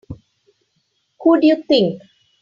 Who do you think?